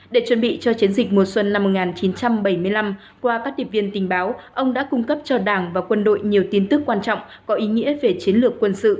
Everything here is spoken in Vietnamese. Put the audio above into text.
để chuẩn bị cho chiến dịch mùa xuân năm một nghìn chín trăm bảy mươi năm qua các điệp viên tình báo ông đã cung cấp cho đảng và quân đội nhiều tin tức quan trọng có ý nghĩa về chiến lược quân sự